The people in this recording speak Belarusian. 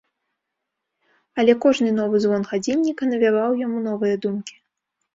Але кожны новы звон гадзінніка навяваў яму новыя думкі.